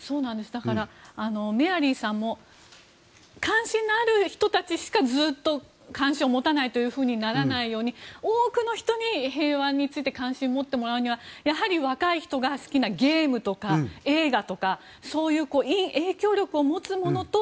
だから、メアリーさんも関心のある人たちしかずっと関心を持たないというふうにならないように多くの人に平和について関心を持ってもらうためにはやはり若い人が好きなゲームとか映画とかそういういい影響力を持つものと